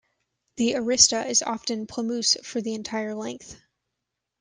The arista is often plumose for the entire length.